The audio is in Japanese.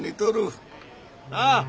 なあ！